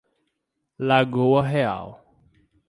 Lagoa Real